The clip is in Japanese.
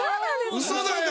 ウソだよ！